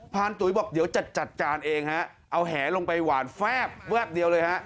ตุ๋ยบอกเดี๋ยวจะจัดการเองฮะเอาแหลงไปหวานแฟบแวบเดียวเลยฮะ